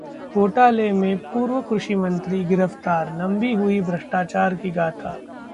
घोटाले में पूर्व कृषि मंत्री गिरफ्तार, लंबी हुई भ्रष्टाचार की गाथा